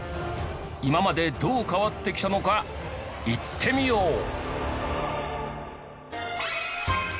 今までどう変わってきたのかいってみよう。